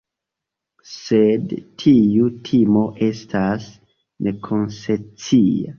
Sed tiu timo estas nekonscia.